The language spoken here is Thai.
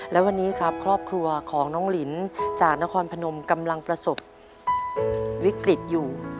และวันนี้ครับครอบครัวของน้องลินจากนครพนมกำลังประสบวิกฤตอยู่